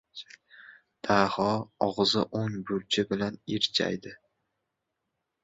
Daho og‘zi o‘ng burchi bilan irjaydi.